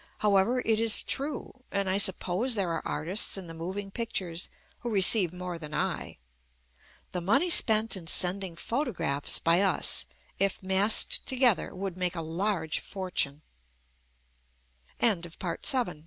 However, it is true, and I suppose there are artists in the moving pictures who receive more than I. The money spent in sending photographs by us, if massed together, would make a